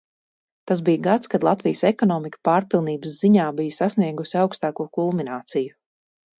Tas bija gads, kad Latvijas ekonomika pārpilnības ziņā bija sasniegusi augstāko kulmināciju.